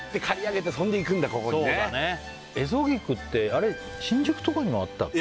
それえぞ菊ってあれ新宿とかにもあったっけ？